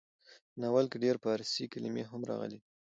په ناول کې ډېر فارسي کلمې هم راغلې ډي.